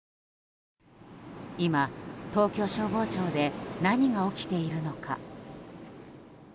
今、東京消防庁で何が起きているのか。